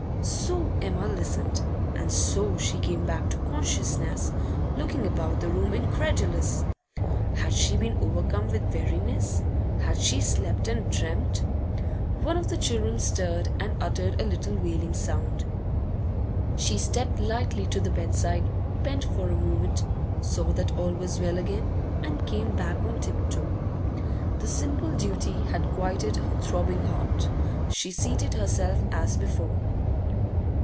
So Emma listened, and so she came back to consciousness, looking about the room, incredulous. Had she been overcome with weariness? Had she slept and dreamt? One of the children stirred and uttered a little wailing sound. She stepped lightly to the bedside, bent for a moment, saw that all was well again, and came back on tip toe. The simple duty had quieted her throbbing heart. She seated herself as before.